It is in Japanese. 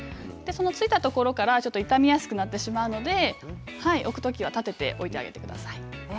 付いたところから傷みやすくなってしまうので置くときは立てておいてあげてください。